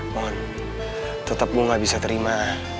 mon tetap gue gak bisa terima